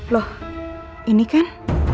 loh ini kan